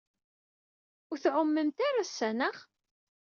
Ur tɛummemt ara ass-a, anaɣ?